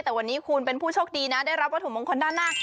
แต่วันนี้คุณเป็นผู้โชคดีนะได้รับวัตถุมงคลด้านหน้า